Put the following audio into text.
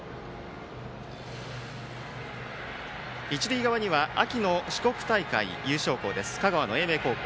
一塁側には秋の四国大会優勝校香川の英明高校。